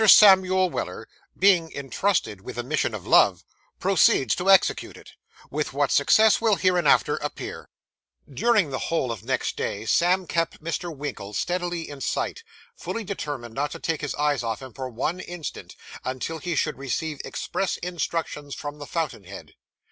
SAMUEL WELLER, BEING INTRUSTED WITH A MISSION OF LOVE, PROCEEDS TO EXECUTE IT; WITH WHAT SUCCESS WILL HEREINAFTER APPEAR During the whole of next day, Sam kept Mr. Winkle steadily in sight, fully determined not to take his eyes off him for one instant, until he should receive express instructions from the fountain head.